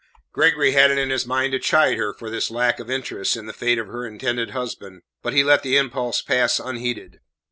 Gregory had it in his mind to chide her for this lack of interest in the fate of her intended husband, but he let the impulse pass unheeded.